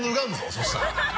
そうしたら。